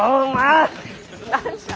何じゃ！